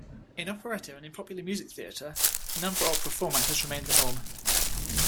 In operetta and in popular music theatre, number opera format has remained the norm.